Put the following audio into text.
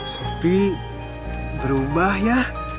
sopi berubah ya